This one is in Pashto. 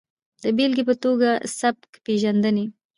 د بېلګې په ټوګه سبک پېژندنې